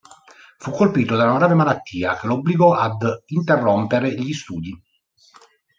Fu colpito da una grave malattia che lo obbligò ad interrompere gli studi.